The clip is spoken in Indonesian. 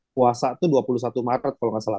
puasa tuh dua puluh satu maret kalau gak salah